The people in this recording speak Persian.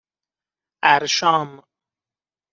اَرشام